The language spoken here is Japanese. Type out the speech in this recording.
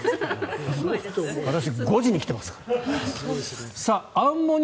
私、５時に来ていますから。